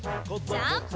ジャンプ！